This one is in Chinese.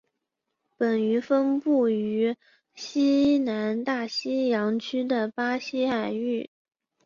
本鱼分布于西南大西洋区的巴西海域。